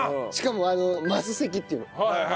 しかもあの升席っていうの？